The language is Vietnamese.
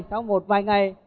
sau một vài ngày